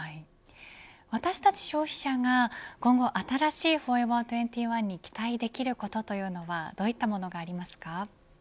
私たち消費者が今後、新しいフォーエバー２１に期待できることはどういったものがありますか。